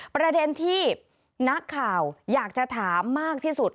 ประเด็นที่นักข่าวอยากจะถามมากที่สุด